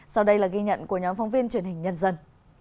sau đây là ghi nhận của nhóm phóng viên truyền hình nhân dân